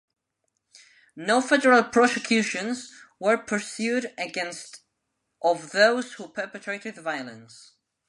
No federal prosecutions were pursued against of those who perpetrated the violence.